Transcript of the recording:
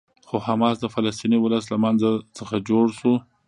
خو حماس د فلسطیني ولس له منځ څخه جوړ شو.